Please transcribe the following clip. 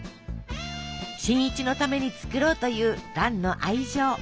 新一のために作ろうという蘭の愛情。